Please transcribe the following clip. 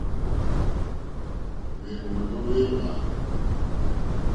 Hwèwòló hwé hwa.